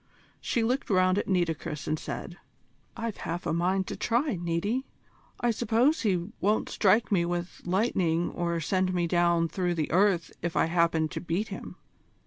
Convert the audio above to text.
She looked round at Nitocris, and said: "I've half a mind to try, Niti. I suppose he won't strike me with lightning or send me down through the earth if I happen to beat him.